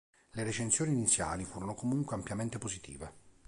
Le recensioni iniziali furono comunque ampiamente positive.